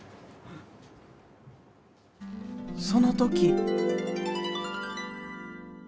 その時。